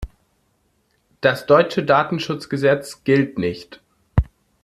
Das deutsche Datenschutzgesetz gilt nicht.